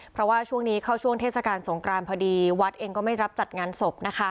เพราะว่าช่วงนี้เข้าช่วงเทศกาลสงกรานพอดีวัดเองก็ไม่รับจัดงานศพนะคะ